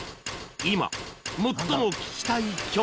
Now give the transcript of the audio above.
今最も聴きたい曲は